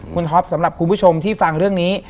คุณท็อปสำหรับคุณผู้ชมที่ฟังเรื่องนี้